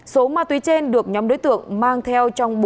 số ma túy trên được nhóm đối tượng mang theo trong